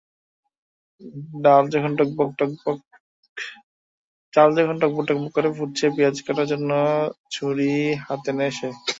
চাল যখন টগবগ করে ফুটছে, পেঁয়াজ কাটার জন্য ছুরি হাতে নেয় সে।